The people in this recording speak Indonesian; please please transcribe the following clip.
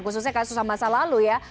khususnya kasus ham masa lalu